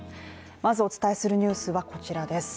まずお伝えするニュースはこちらです。